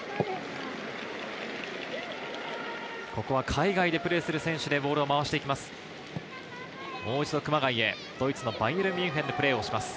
海外でプレーする選手でボールを回して行きます。